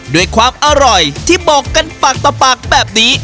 ด้วยความอร่อยที่บอกกันปากต่อปากแบบนี้